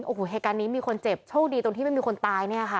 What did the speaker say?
โอ้โหเหตุการณ์นี้มีคนเจ็บโชคดีตรงที่ไม่มีคนตายเนี่ยค่ะ